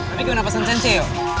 tapi gmn pasangan sensei yuk